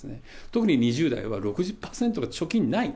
特に２０代は６０％が貯金ない。